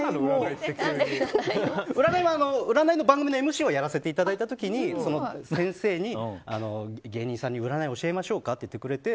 占いも、占いの番組のＭＣをやらせていただいた時にその先生に芸人さんに占い教えましょうかって言ってくれて。